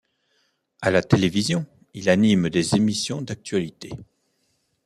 À la télévision, il anime des émissions d'actualités.